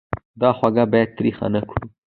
دا خوږه باید تریخه نه کړو.